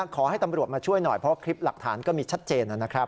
ขอให้ตำรวจมาช่วยหน่อยเพราะว่าคลิปหลักฐานก็มีชัดเจนนะครับ